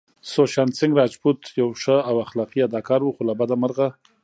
سوشانت سينګ راجپوت يو ښه او اخلاقي اداکار وو خو له بده مرغه